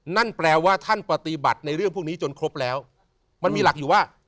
นั่นแปลว่าท่านปฏิบัติในเรื่องพวกนี้จนครบแล้วมันมีหลักอยู่ว่า